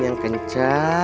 ya luar biasa tuh